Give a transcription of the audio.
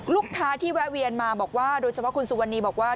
ลูกค้าที่แวะเวียนมาบอกว่าโดยเฉพาะคุณสุวรรณีบอกว่า